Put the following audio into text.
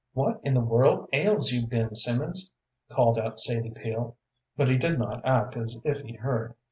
"What in the world ails you, Ben Simmons?" called out Sadie Peel. But he did not act as if he heard.